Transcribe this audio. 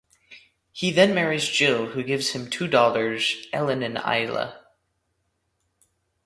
He then marries Jill who gives him two daughters Ellen and Isla.